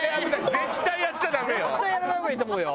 絶対やらない方がいいと思うよ。